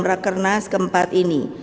rakernas keempat ini